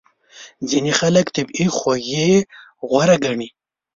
ځینې خلک طبیعي خوږې غوره ګڼي.